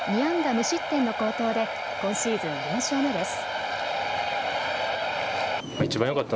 無失点の好投で今シーズン４勝目です。